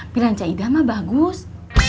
bilang cah ida mah bagus